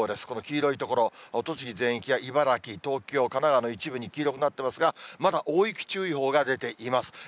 この黄色い所、栃木全域や茨城、東京、神奈川の一部に黄色くなってますが、まだ大雪注意報が出ています。